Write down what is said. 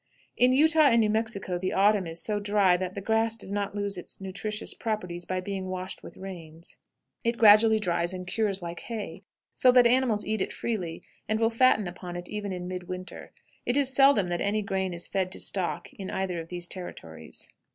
In Utah and New Mexico the autumn is so dry that the grass does not lose its nutritious properties by being washed with rains. It gradually dries and cures like hay, so that animals eat it freely, and will fatten upon it even in mid winter. It is seldom that any grain is fed to stock in either of these territories.